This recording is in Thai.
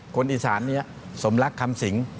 คนอีสานนี้สมรักคำสิง